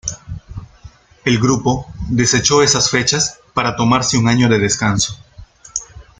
El grupo desechó esas fechas para tomarse un año de descanso.